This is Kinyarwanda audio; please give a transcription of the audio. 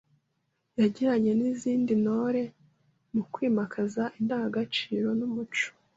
yagiranye n’izindi Ntore mu kwimakaza indangagaciro n’umuco